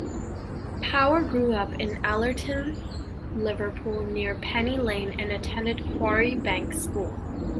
Power grew up in Allerton, Liverpool near Penny Lane and attended Quarry Bank School.